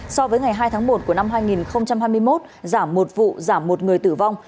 so với ngày hai tháng một của năm hai nghìn hai mươi một giảm một vụ giảm một người tử vong